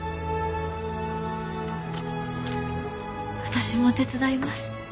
私も手伝います。